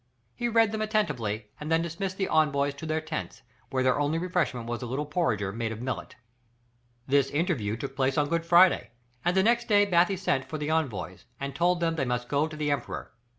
He read them attentively and then dismissed the envoys to their tents, where their only refreshment was a little porringer full of millet. This interview took place on Good Friday, and the next day Bathy sent for the envoys, and told them they must go to the Emperor.